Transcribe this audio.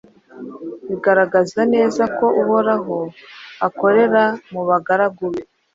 bigaragaza neza ko Uhoraho akorera mu bagaragu be